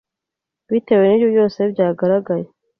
bitewe nibyo byose byagaragaye